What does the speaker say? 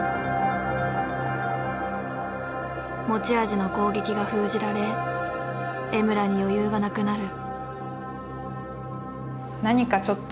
持ち味の攻撃が封じられ江村に余裕がなくなる。